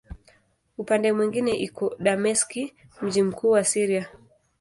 Upande mwingine iko Dameski, mji mkuu wa Syria.